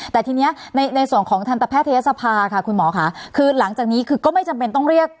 แต่ทีนี้ในส่วนของทันตแพทยศภาค่ะคุณหมอค่ะคือหลังจากนี้คือก็ไม่จำเป็นต้องเรียก